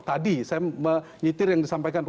tadi saya menyetir yang disampaikan